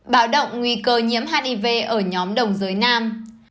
bạo động nguy cơ nhiễm hiv ở nhóm đồng giới nam